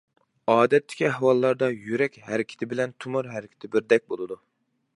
ئادەتتىكى ئەھۋاللاردا يۈرەك ھەرىكىتى بىلەن تومۇر ھەرىكىتى بىردەك بولىدۇ.